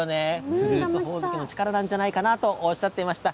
フルーツほおずきの力なんじゃないかなとおっしゃっていました。